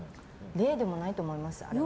霊でもないと思います。